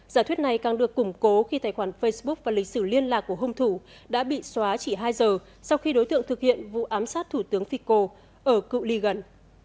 giả thuyết này càng được củng cố khi tài khoản facebook và lịch sử liên lạc của hung thủ đã bị xóa chỉ hai giờ sau khi đối tượng thực hiện vụ ám sát thủ tướng fico ở cựu ly gần